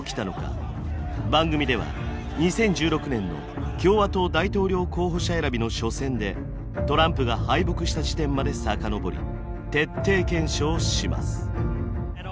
番組では２０１６年の共和党大統領候補者選びの初戦でトランプが敗北した時点まで遡り徹底検証します。